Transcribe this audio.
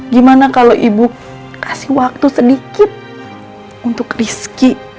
gimana kalau ibu kasih waktu sedikit untuk rizki